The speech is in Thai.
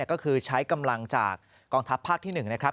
ก็คือใช้กำลังจากกองทัพภาคที่๑นะครับ